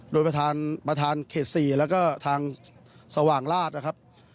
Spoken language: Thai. โดยประธานเขต๔แล้วก็ทางสว่างราชนะครับ